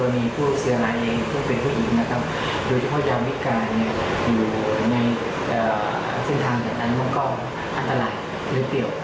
ไม่สมควรจะอยู่ในที่ติด